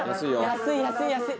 安い安い安い！